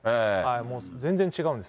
もう、全然違うんです。